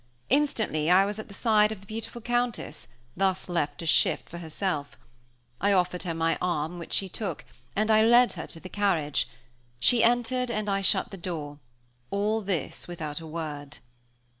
Instantly I was at the side of the beautiful Countess, thus left to shift for herself; I offered her my arm, which she took, and I led her to the carriage. She entered, and I shut the door. All this without a word.